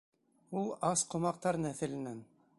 Ул ас ҡомаҡтар нәҫеленән.